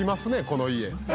この家。